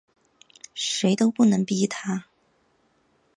谁都不能逼他